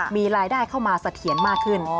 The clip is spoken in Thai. มีรายได้เข้ามาเสถียรมากขึ้น